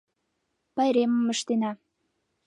Пайремым ыштена!